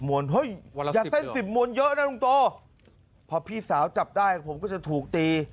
เฮ้ยอย่าเส้นสิบมวลเยอะนะลุงโตพอพี่สาวจับได้ผมก็จะถูกตี